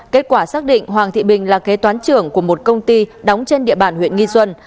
kết quả xác định hoàng thị bình là kế toán trưởng của một công ty đóng trên địa bàn huyện nghi xuân